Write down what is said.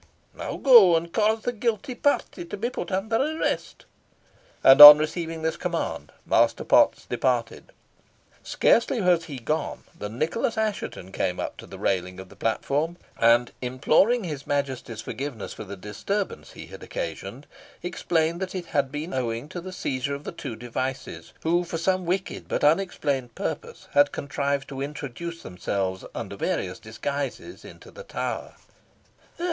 Now go, and cause the guilty party to be put under arrest." And on receiving this command Master Potts departed. Scarcely was he gone than Nicholas Assheton came up to the railing of the platform, and, imploring his Majesty's forgiveness for the disturbance he had occasioned, explained that it had been owing to the seizure of the two Devices, who, for some wicked but unexplained purpose, had contrived to introduce themselves, under various disguises, into the Tower.